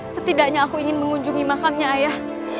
setidaknya aku ingin mengunjungi makamnya ayah